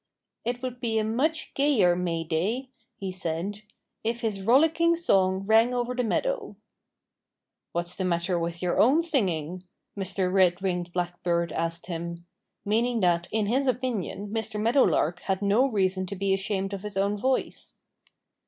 "It would be a much gayer May Day," he said, "if his rollicking song rang over the meadow." "What's the matter with your own singing?" Mr. Red winged Blackbird asked him meaning that in his opinion Mr. Meadowlark had no reason to be ashamed of his own voice.